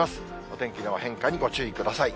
お天気の変化にご注意ください。